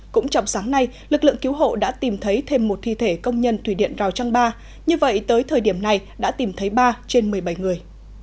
cũng trong sáng nay lực lượng cứu hộ đã tìm thấy thêm một thi thể công nhân thủy điện rào trăng ba như vậy tới thời điểm này đã tìm thấy ba trên một mươi bảy người